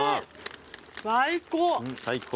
最高。